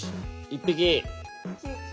１匹。